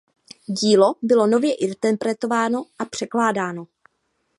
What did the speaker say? Dílo bylo nově interpretováno a překládáno.